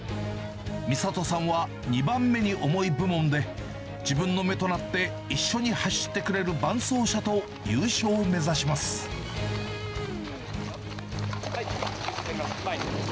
美里さんは、２番目に重い部門で、自分の目となって一緒に走ってくれる伴走者はい、給水取ります、前。